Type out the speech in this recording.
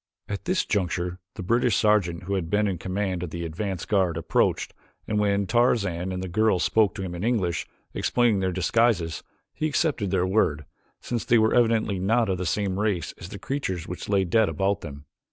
At this juncture the British sergeant who had been in command of the advance guard approached and when Tarzan and the girl spoke to him in English, explaining their disguises, he accepted their word, since they were evidently not of the same race as the creatures which lay dead about them.